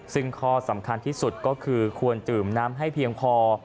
ซึ่งข้อสำคัญที่สุดก็คือควรดื่มน้ำให้เพียงพอ